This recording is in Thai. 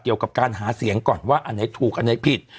เกี่ยวกับการหาเสียงก่อนว่าอันไหนถูกอันไหนผิด